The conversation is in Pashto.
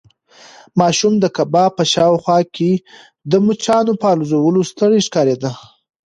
ماشوم د کباب په شاوخوا کې د مچانو په الوزولو ستړی ښکارېده.